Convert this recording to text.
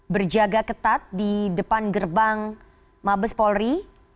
berjaga ketat di depan gerbang mabes polri